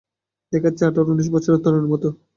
দেখাচ্ছে আঠার-উনিশ বছরের তরুণীর মতো।